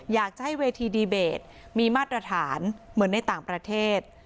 อยากจะให้เวทีดีเบตมีมาตรฐานเหมือนในต่างประเทศ